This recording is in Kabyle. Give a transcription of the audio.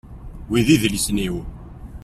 Wi d idlisen-iw.